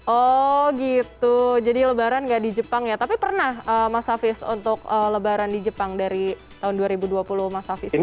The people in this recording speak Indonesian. oh gitu jadi lebaran nggak di jepang ya tapi pernah mas hafiz untuk lebaran di jepang dari tahun dua ribu dua puluh mas hafiz ya